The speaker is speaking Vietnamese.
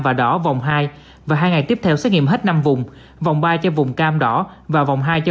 vùng đỏ và vòng hai và hai ngày tiếp theo xét nghiệm hết năm vùng vòng ba cho vùng cam đỏ và vòng hai cho